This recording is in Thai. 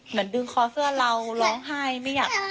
เหมือนดึงคอเสื้อเราร้องไห้ไม่อยาก